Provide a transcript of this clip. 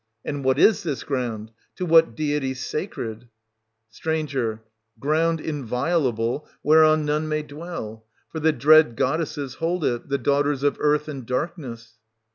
And what is this ground } To what deity sacred ? St. Ground inviolable, whereon none may dwell : for the dread goddesses hold it, the daughters of Earth 40 and Darkness.